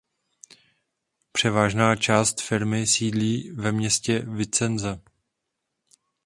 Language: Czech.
Převážná část firmy sídlí ve městě Vicenza.